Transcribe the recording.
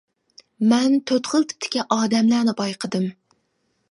مەن تۆت خىل تىپتىكى ئادەملەرنى بايقىدىم.